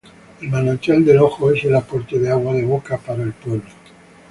El Manantial del Ojo, es el aporte de agua de boca para el pueblo.